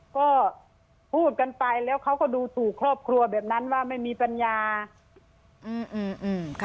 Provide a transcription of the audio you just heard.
ก็พูดกันไปแล้วเขาก็ดูสู่ครอบครัวแบบนั้นว่าไม่มีปัญญาอืมค่ะ